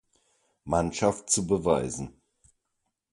Mannschaft zu beweisen.